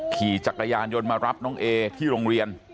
ขี่จักรยานยนต์มารับน้องเอที่โรงเรียน